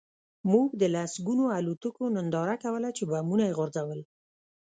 موږ د لسګونو الوتکو ننداره کوله چې بمونه یې غورځول